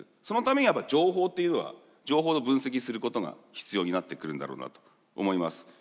そのためには情報っていうのは情報の分析することが必要になってくるんだろうなと思います。